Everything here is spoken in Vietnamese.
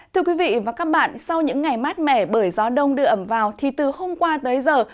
thưa quý vị và các bạn sau những ngày mát mẻ bởi gió đông đưa ẩm vào thì từ hôm qua tới giờ